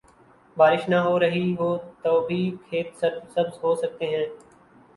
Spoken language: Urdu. بارش نہ ہو رہی ہو تو بھی کھیت سرسبز ہو سکتے ہیں۔